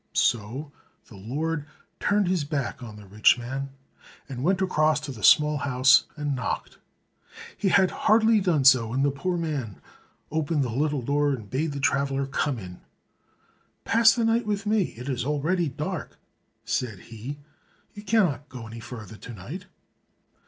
So the Lord turned his back on the rich man, and went across to the small house and knocked. He had hardly done so when the poor man opened the little door and bade the traveler come in. "Pass the night with me, it is already dark," said he; "you cannot go any further to night."